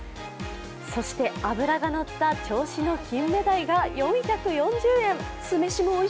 そして、脂がのった銚子の金目鯛が４４０円。